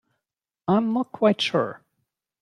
I'm not quite sure.